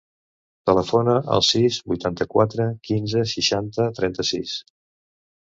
Telefona al sis, vuitanta-quatre, quinze, seixanta, trenta-sis.